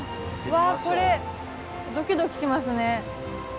わこれドキドキしますね。